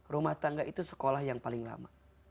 rumah tangga itu sekolah yang paling lama